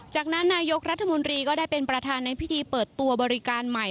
จากนั้นนายกรัฐมนตรีก็ได้เป็นประธานในพิธีเปิดตัวบริการใหม่